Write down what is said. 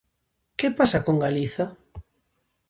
Que pasa con Galiza?